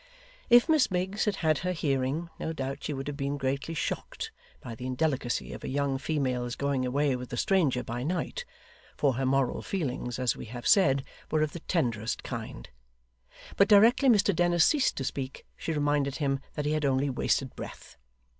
If Miss Miggs had had her hearing, no doubt she would have been greatly shocked by the indelicacy of a young female's going away with a stranger by night (for her moral feelings, as we have said, were of the tenderest kind); but directly Mr Dennis ceased to speak, she reminded him that he had only wasted breath.